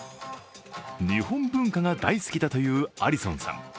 日本文化が大好きだというアリソンさん。